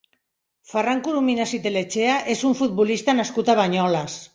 Ferran Corominas i Telechea és un futbolista nascut a Banyoles.